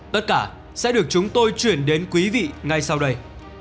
tất cả sẽ được chúng tôi chuyển đến quý vị ngay sau đây